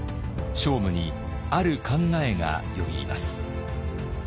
聖武にある考えがよぎります。